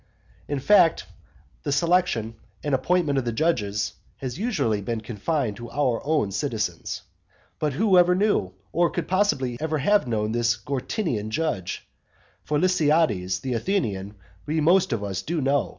In fact, the selection and appointment of the judges has usually been confined to our own citizens. But who ever knew, or could possibly have known this Gortynian judge? For Lysiades, the Athenian, we most of us do know.